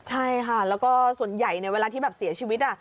ใช่ค่ะแล้วก็ส่วนใหญ่เวลาที่แบบเสียชีวิต